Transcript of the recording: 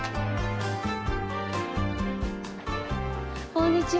こんにちは。